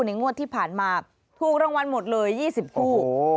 งวดที่ผ่านมาถูกรางวัลหมดเลย๒๐คู่